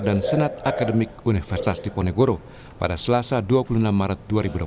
dan senat akademik universitas diponegoro pada selasa dua puluh enam maret dua ribu dua puluh empat